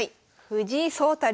藤井聡太